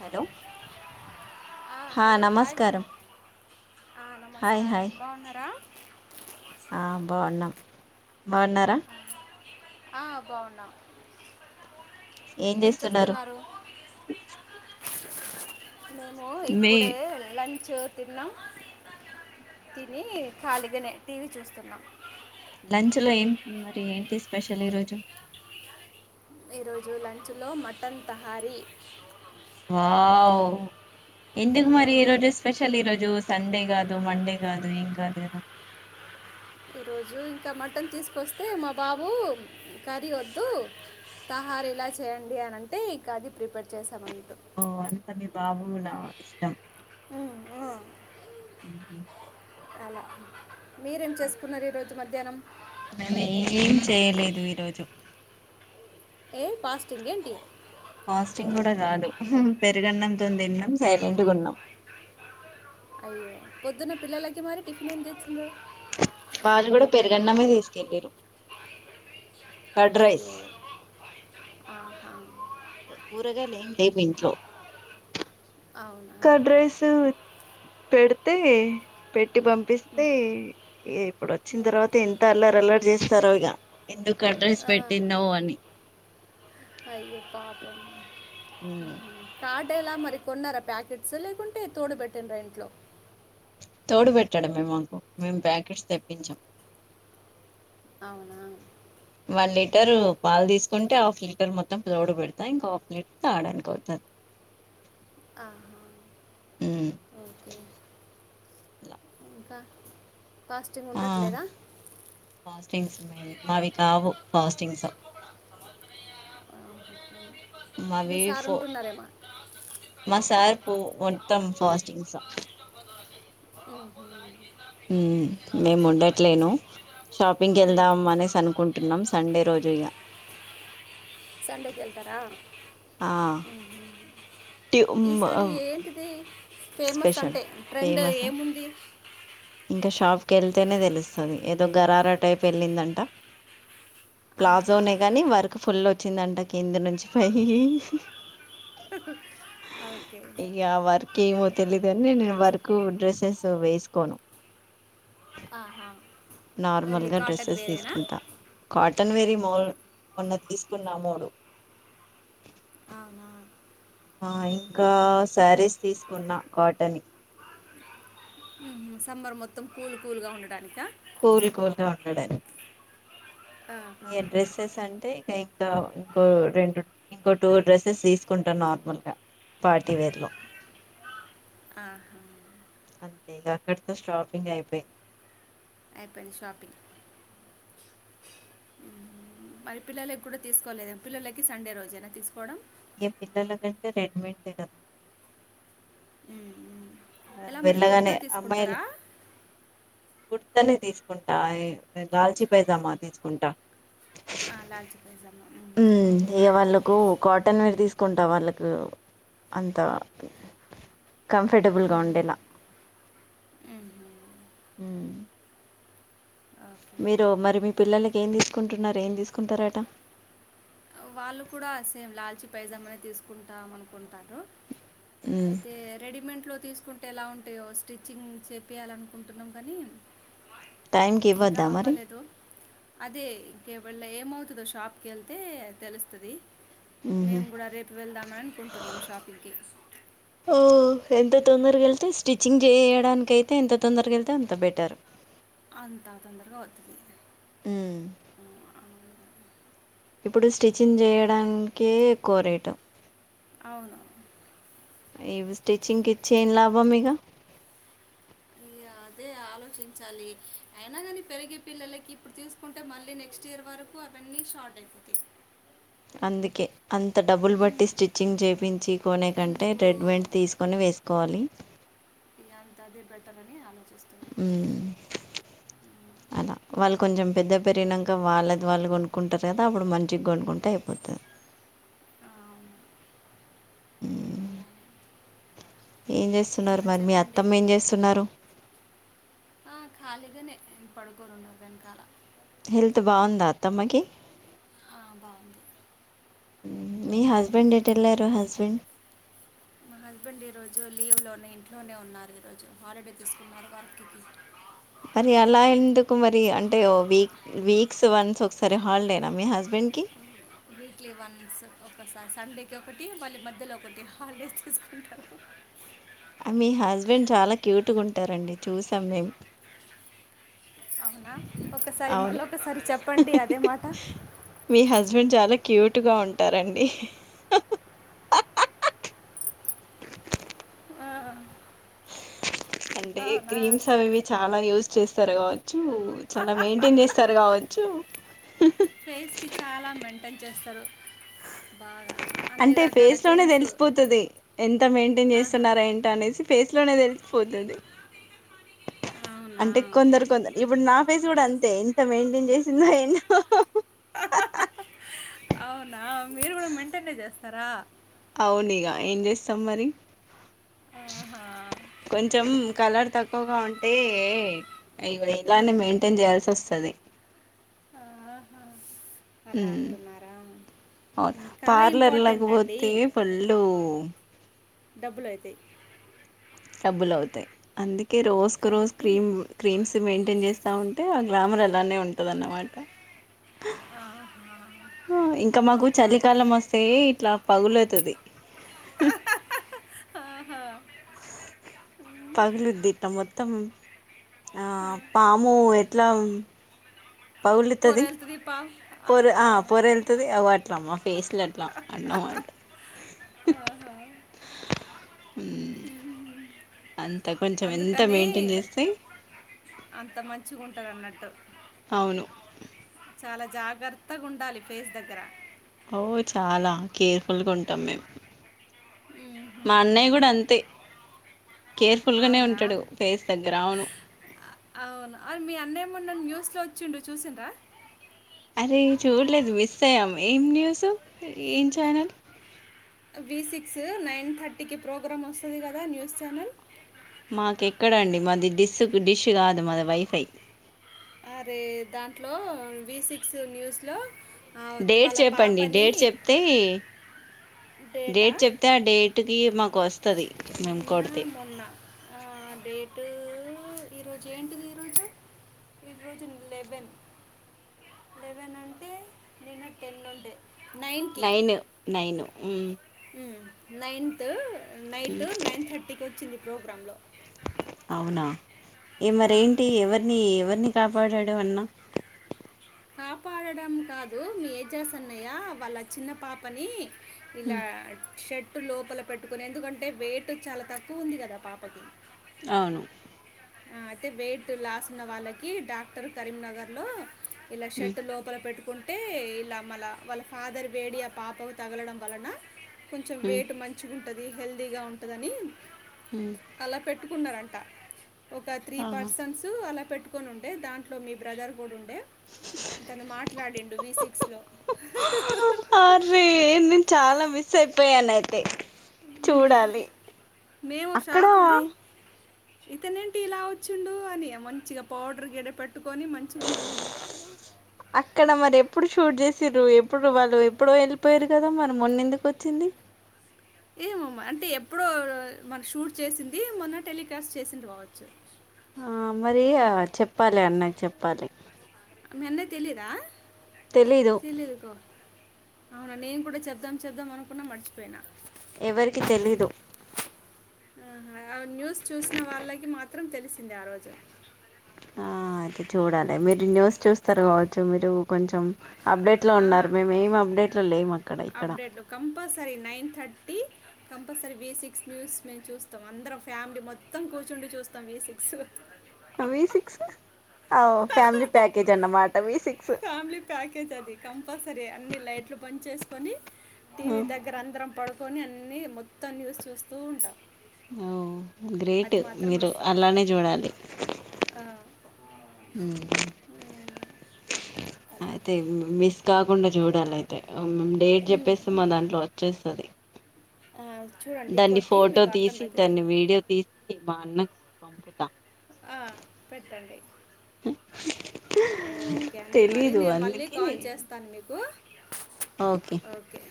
Hello హా hi నమస్కారం ఆ హాయ్ నమస్కారం హాయ్ బాగున్నారా ఆ బాగున్నాం బాగున్నారా ఆ బావున్నా ఏం చేస్తున్నారు మేము మీ ఇప్పుడే లంచ్ చో తిన్నాం తిని ఖాళీగానే టీవీ చూస్తున్నాం లంచ్ లో ఏం మరి ఏంటి స్పెషల్ ఈరోజు ఈరోజు లంచ్లో మటన్ తహారీ వావ్ ఎందుకు ఉమ్, మరి ఈ రోజు స్పెషల్ ఈ రోజు సండే కాదు మండే కాదు ఇంకా అదేనా ఈరోజు ఇంకా మటన్ తీసుకొస్తే మా బాబు కర్రీ వద్దు తహారి ఇలా చేయండి అని అంటే ఇంకా అది ప్రిపేర్ చేశాం ఓ అంత మీ బాబులా ఇష్టం ఆమ్ ఆ ఉహుమ్ అలా మీరేం చేసుకున్నారు ఈ రోజు మధ్య దేనం నేను ఏం చేయలేదు ఈరోజు ఏ పాస్టింగ్ గ ఏంటి పాస్టింగ్ కూడా కాదు పెరుగన్నంతో తిన్నాం సైలెంట్గా ఉన్నాం అయ్యో పొద్దున్న పిల్లలకి మరి టిఫిన్ ఏమి తెచ్చిండ్రు వాళ్ళు కూడా పెరుగన్నమే తీసుకెళ్ళిరు కర్డ్ రైస్ అయ్యో ఆ కూరగాయలు ఏం లేవు ఇంట్లో అవునా తే పెట్ పంపిస్తే ఇప్పుడు వచ్చిన తర్వాత ఇంత అల్లరి అల్లరి చేసి తరోయిగా ఎందుకు అడ్రెస్ ఆ, పెట్టిన్నావ్ అని అయ్యో పాపం హు పట్టేలా మరి కొన్నర ప్యాకెట్స్ లేకుంటే తోడు పెట్టడ్రా ఇంట్లో తోడు పెట్టాడుమే మాకు మేము ప్యాకెట్స్ తెప్పించాం అవునా వన్ లీటరు ఉం. పాలు తీసుకుంటే ఆఫ లీటర్ మొత్తం తోడు పెడతా ఇంకా లీటర్ తాగడానికి అవుతది ఆహా ఓకే అలా ఇంకా ఫాస్టింగ్ ఆ ఉండట్లేదా ఫాస్టింగ్స్ మవి మావి కావు ఫాస్టింగ్స్ అ మీ మావి సార్ ఫో ఉంటున్నారేమ మా సార్ మొత్తం ఫాస్టింగ్స్ ఓహ మేము ఉండట్లేను షాపింగ్కి వెళ్దాం అనేసి అనుకుంటున్నాం సండే రోజు ఇగ ఆ ఆహ ట్యూ మ్ ఈసారి ఏంటిది ఫేమస్ స్పెషల్ అంటే ట్రెండ్ ఫేమసా ఏముంది ఇంకా షాపుక్ వెళ్తేనే తెలుసస్తాది ఏదో గరారా టైప్ వెళ్ళిందంట ఆహా ప్లాజోనే గానీ వర్క్ ఫుల్ వ వచ్చిందంట కింద నుంచి పైయ్ ఓకే ఇక వర్క్ ఏమో తెలీదుకానీ నేను వర్కు డ్రెస్సెస్ తో వేసుకోను ఆహా నార్మల్ ఓన్లీ గా కాటన్ డ్రెస్సెస్ వేరేనా తీసుకుంటా కాటన్ వేరీ మాల్ మొన్న తీసుకున్నా మూడు అవునా ఆ ఇంకా శారీస్ తీస్ తీసుకున్నా కాటనే హ్మ్ సమ్మర్ మొత్తం కూల్ కూలుగా ఉండటానికా కూల్ కూల్గా ఉండడానికి ఆహా ఈ డ్రెస్సెస్ అంటే ఇక ఇంకా ఇంకో రెండ్ ఇంకో టూ డ్రెస్సెస్ తీసుకుంటా నార్మల్గా పార్టీ వేర్ లో ఆహా అంతే అక్కడితో షాపింగ్ అయిపోయిం అయిపోయింది షాపింగ్ మరి పిల్లలకి కూడా తీసుకోలేదం పిల్లలకి సండే రోజేనా తీసుకోవడం ఏ పిల్లలకంటే రెడీమెంట్ ఏ కద్ ఉమ్, ఉమ్. ఆ ఎలా మరి వెళ్ళగానే కుర్తా అమ్మయిలు తీసుకుంటారా కుర్ ర్తానే తీసుకుంటా ఏ గాల్చి పైజామా తీసుకుంటా ఆ, లాల్చి పైజామా ఉమ్, ఉమ్. హ్మ్ ఇగ వాళ్ళకు కాటన్ వేర్ తీసు కుంట వాళ్ళకు అంత కం ఫర్టబుల్ గా మ్మ్. ఉండేలా హు ఓకే మీరు మరి మీ పిల్లలకి ఏం తీస్ సుకుంటున్నరు ఏం తీసుకుంటారట పైజమ్మనే తీసుకుంటాం అనుకుంటారు ఉమ్ అయితే రెడీమెంట్లో తీసుకుంటే ఎలా ఉంటాయో స్త్రీచింగ్ చేపియాలనుకుంటున్నాము కానీ టైంకి ఇంకా ఇవ్వద్దా మరి అవ్వలేదు అదే ఇకివాలా ఏం అవుతదో షాపుకెళ్ ళ్తే తెలుస్తాది ఉహు మేము కూడా రేపు వెళ్దామని అని అనుకుంటున్నాం షాపింగ్కి ఓ ఎంత తొందరాగేళ్తే సస్త్రీచింగ్ చేయడానికైతే ఎంత తొందరాగ వెళ్తే అంత బెటర్ అంతా తొందరగవుతుంది మ్మ్ కోరేటు అవును ఇవి స్టిచ్చింగ్ స్టిచ్చింగ్కి ఇచ్చేం లాభ మీగ ఇగ అదే ఆలోచించాలి అయినా కాని పెరిగే పిల్లలకి ఇప్పుడు తీూసుకుంటే మళ్ళీ నెక్స్ట్ ఇయర్ వరకు అవన్నీ షార్ట్ అయిపోతాయి అందికే అంత డబ్బులు బట్టి స్టిచ్చింగ్ చేపించు కొనే కంటే రెడ్ మేంట్ ఎందుకు తీసుకొని వేసుకోవాలి ఇగ అంత అదే బెటర్ అని అలా అలా వాళ్ళు కొంచెం పెద్ద పెరినాగినంకా వాళ్ళది వాళ్ళు కొనుక్కుంటారు కదా అప్పుడు మంచిగా కొనుక్కుంటే అయిపోతది ఆ, మ్ ఎం చెస్ స్తున్నారు ఇంకా మరి మీ చెప్పండి అత్తమ్మ ఏం చేస్తున్నారు ఆ ఖాళీగానే పడుకోరున్నారు వెనకాల హెల్త్ బాగుందా అత్ తమ్మకి ఆ, బాగుంది మీ హస్బెండ్ ఎటేళ్ళారు హస్బెండ్ మా హస్బెండ్ ఈరోజు లీవ్లోనే ఇంట్లోనే ఉన్నారు ఈరోజు హాలిడే తీసుకున్నారు వర్క్కి మరి అలా ఎందుకు మరి అంటే ఓ వీక్ వీక్స్ వన్స్ ఒకసారి హాలిడేనా మీ హస్బెండ్కిి వీక్లీ వన్స్ ఒకసారి స సండేకి ఒకటి మళ్ళీ మధ్యలో ఒకటి హాలిడే తీసుకుంటారు మీ హస్బెండ్ చాలా క్యూట్గా ఉంటారండి చూసాం మేం అవునా ఒకసారి మళ్ళీ ఒకసారి చెప్పండి అదే మాట మీ హస్బెండ్ చాలా క్యూట్గా ఉంటారండి ఆ, అంటే క్రీమ్స్ అవునా అనేవి చాలా యూస్ చేస్తారు కావచ్చు చాలా మెయింటైన్ చేస్తారు కావచ్చు కి చాలా మెయింటైన్ చేస్తారు బాగా అన్ని అంటే రకాల ఫేస్ లోనే క్రీమ్స్ తెలిసిపోతుంది ఎంత మెయింటైన్ ఆహా చేస్తున్నారా ఏంట అనేసి ఫేస్ లోనే తెలిసిపోతుంది అవునా అంటే కొందరు కొందరు ఇప్పుడు నా ఫేస్ కూడా అంతే ఎంత మెయింటైన్ చేసిందో ఎన్నో తర అవునుక ఏం చేస్తాం మరి ఆహా కొంచెం కలర్ తక్కువగా ఉంటే ఇవి ఎలానే ఉమ్. మెయింటైన్ చేయాల్సి వస్తంది కది ఆహా. అలా అంటున్నారా అవును ఉమ్, కళ పార్లర్ ఇంపార్టెంట్ అండి లేకపోతే పళ్ళు అ డబ్బులువుతాయి అందుకే రోజు కు రోజు కాబట్టి క్రీమ్ క్రీమ్స్ మెయింటైన్ చేస్తా ఉంట అంటే ఆ గ్లామర్ ఎలానే ఉంటుంద అన్నమాట ఆహా ఆ ఇంకా మాకు ఓకే ఓకే చలికాలం వస్తే ఇట్లా పగులువుతుది పగలు తీట్ట మొత్తం ఆ పాము ఇలాంగ్ పొరళ్తు దీపా పొర పొర వెళ్తుంది అ అట్లా మా ఫేస్లో అట్లా అన్నం అంట అంత కొంచెం ఎంత అందుకని మెయింటైన్ చేస్తే మచ్చుకుంటారు అన్నట్టు అవును చాలా జాగ్రత్తగా ఉండాలి ఫేస్ దగ్గర ఓ చాలా కేర్ఫుల్గా ఉంటాం మేము మా మ్మ్హ్మ్. అన్నయ్య కూడా అంతే కేర్ఫుల్ గానే అవునా ఉంటాడు ఫేస్ దగ్గర అవును అవునా అరి మీ అన్నయ్యమ న్యూస్ అలా వచ్చిండు చూసిండ అరే చూడలేదు మిస్ అయ్యాము ఏం న్యూస్ ఏం ఛానల్ వి సిక్స్ నైన్ థర్టీకి ప్రోగ్రామ్ వస్తుంది కదా న్యూస్ ఛానల్ మాకెక్కడంండి మాది డిసు డిష్ కాదు మాది వైఫై అరే దాంట్లో వి సిక్స్ న్యూస్ లో డేట్ చెప్పండి డేట్ చెప్తే డేటా డేట్ చెప్తే ఆ డేట్ కి మాకు వస్తుది మేము నిన్న కొడితే టుూ ఈరోజు ఏంటిది ఈరోజు ఈరోజు లెవెన్ లెవెన్ అంటే నిన్న టెన్ ఉండే నైన్కి nine nine um um నయిత్ night um, nine థర్టీకి వచ్చింది ప్రోగ్రామ్ంలో అవునా ఏ ఆ, మరేంటి ఎవరిని ఎవరిని కాపాడడు అన్నా కాపాడడం కాదు మీ ఏజర్స్ అన్నయ్య వాళ్ళ చిన్న పాపని ఉమ్, ఇలా షర్ట్ టు లోపల పెట్టుకుని ఎందుకంటే వెయిట్ చాలా తక్కువ ఉంది కదా పాపకి అవును అయితే వెయిట్ లాస్ ఉన్న వాళ్ళకి డాక్టర్ కరీంనగర్లో ఇలా ఉమ్, షర్ట్ లోపల పెట్టుకు కుంటే ఇలా మళ్ళ వాళ్ళ ఫాదర్ వేడి ఆ పాపకు తగలడం వలన కొంచెం ఉమ్, వెయిట్ మంచిగా ఉంట ఉంటది హెల్దీగా ఉంటదని ఉమ్, అలా పెట్టు ఉన్నరంట ఒక త్రీ ఆహా పర్సన్స్ అలా పెట్టు కొనుంటే దాంట్లో మీ బ్రదర్ కూడా ఉ అంటే తను మాట్లాడిండు వి సిక్స్ లో ప్పెయానైయితే చూడాలి మేము అక్కడ షాక్ అరే ఇతనేంటి ఇలా వచ్చుండు అని మంచిగా పౌడర్ గిడర్ పెట్టుకొని పట్టుకొని మంచి ఉండడు ఇప్పుడు షూట్ చేసి తిరు ఎప్పుడు వాళ్ళు ఎప్పుడో వెళ్ళిపోయరు కదా మరి మొన్న ఎందుకు వచ్చింది ఏమమ్మా అంటే ఎప్పుడో మన షూట్ చేసింది మొన్న టెలికాస్ట్ చేసింది కావచ్చు ఆ మరి చెప్పాలి అన్నకి చెప్పాలి మీ అన్నకి తెలిదా తెలీదు తెలిదుకో అవునా నేను కూడా చెబ్ధం చెబ్దం అనుకున్నా మర్చిపోయినా ఎవరికి తెలీదు హుమ్ న్యూస్ చూసిన వాళ్ళకి మాత్రం మాత్రం తెలిసింది ఆ రోజు ఆ అయితే చూడాలి మీరు న్యూస్ చూస్తారు కావచ్చు మీరు కొంచెం అప్డేట్ లో ఆ, ఉన్నారు మేము ఏం అప్డేట్ లో లేము అక్కడ ఇక్కడ బట్టి కంపల్సరీ వేసిక్స్ న్యూస్ మేము చూస్తాం అందరం ఫ్యామిలీ మొత్తం కూర్చుండి చూస్తాం వేసిక్స్ వి సిక్స్ ఫ్యామిలీ ప్యాకేజ్ అన్నమాట విసిక్స్ ఫ్యామిలీ ప్యాకేజ్ అది కంపల్సరీ అన్ని లైట్లు బంద్ చేసుకొని టీవీ దగ్గర అందరం పడుకి కొన్ని అన్ని మొత్తం న్యూస్ చూస్తూ ఉంటాం అవు అది గ్రేటు మాత్రం మీరు మిస్ అవ్వం అలానే చూడాలి ఆ, ఉమ్, అయితే మిస్ కాకుండా చూడాల అయితే మేము డేట్ ఉమ్, చెప్పేస్తే మా దాంట్లో వచ్చేస్తుంది ఆ, చూడండి దాన్ని కొట్టి ఫోటో మీకు తీసి అర్థమవుతుంది దాన్ని వీడియో తీసి మా అన్నకు పంపుతా పెట్టండి ఓకే అండి మరి తెలీదు నేను మళ్ళీ అందుకే కాల్ చేస్తాను మీకు ఓకే